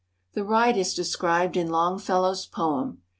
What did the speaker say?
The ride is described in Longfellow's poem.